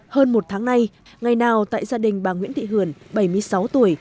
hơn một tháng nay ngày nào tại gia đình bà nguyễn thị hường bảy mươi sáu tuổi